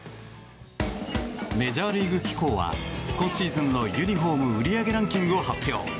メジャーリーグ機構は今シーズンのユニホーム売上ランキングを発表。